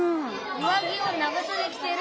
上着を長そで着てる。